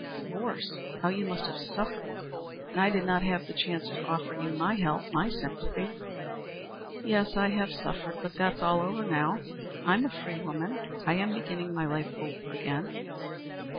Divorced! How you must have suffered! And I did not have the chance to offer you my help my sympathy." "Yes, I have suffered. But that is all over now. I am a free woman. I am beginning my life over again."